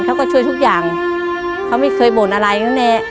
เขาก็ช่วยทุกอย่างเขาไม่เคยบ่นอะไรเขาแน่